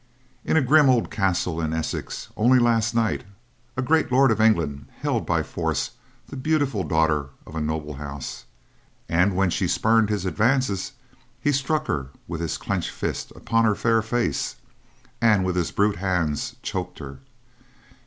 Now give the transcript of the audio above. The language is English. "In a grim old castle in Essex, only last night, a great lord of England held by force the beautiful daughter of a noble house and, when she spurned his advances, he struck her with his clenched fist upon her fair face, and with his brute hands choked her.